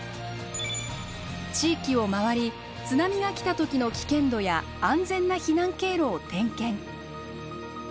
地域を回り津波が来た時の危険度や安全な避難経路を点検。